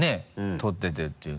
撮っててっていうの。